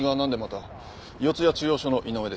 四谷中央署の井上です。